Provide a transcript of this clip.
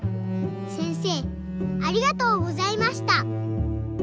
せんせいありがとうございました。